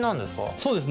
そうですね。